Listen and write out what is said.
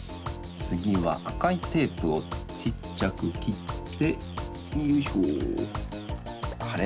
つぎはあかいテープをちっちゃくきってよいしょ。